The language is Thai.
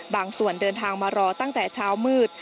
ส่วนเดินทางมารอตั้งแต่เช้ามืด